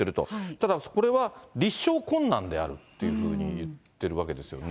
ただこれは立証困難であるというふうに言ってるわけですよね。